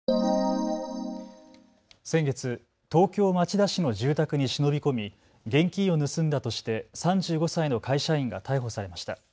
先月、東京町田市の住宅に忍び込み、現金を盗んだとして３５歳の会社員が逮捕されました。